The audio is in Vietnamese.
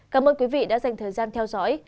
cảm ơn quý vị đã dành thời gian theo dõi